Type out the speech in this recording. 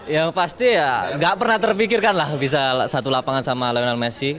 ya pasti ya nggak pernah terpikirkan lah bisa satu lapangan sama lionel messi